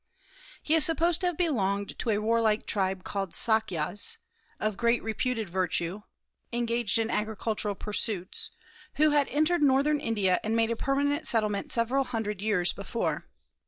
He is supposed to have belonged to a warlike tribe called Sâkyas, of great reputed virtue, engaged in agricultural pursuits, who had entered northern India and made a permanent settlement several hundred years before.